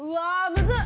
むずっ！